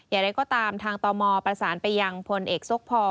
อย่างไรก็ตามทางตมประสานไปยังพลเอกซกพอ